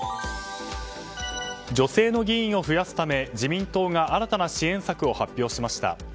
女性の議員を増やすため自民党が新たな支援策を発表しました。